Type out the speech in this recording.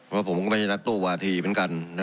ว่าผมให้รักตัววาทีเหมือนกันนะ